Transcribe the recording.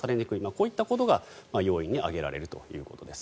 こういったことが要因に挙げられるということです。